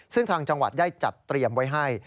ซึ่งทางจังหวัดได้จัดเตรียมไว้ให้